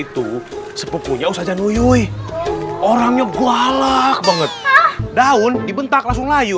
itu sepupunya usaha januyui orangnya galak banget daun dibentak langsung layu